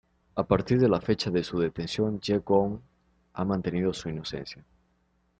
A partir de la fecha de su detención, Ye Gon ha mantenido su inocencia.